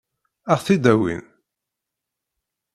Ad ɣ-t-id-awin?